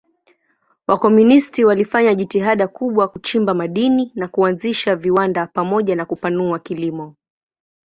Wakomunisti walifanya jitihada kubwa kuchimba madini na kuanzisha viwanda pamoja na kupanua kilimo.